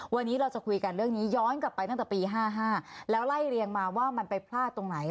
วันนี้เราจะคุยกันเรื่องนี้ย้อนกลับไปตั้งแต่ปี๕๕แล้วไล่เรียงมาว่ามันไปพลาดตรงไหน